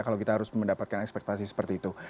kalau kita harus mendapatkan ekspektasi seperti itu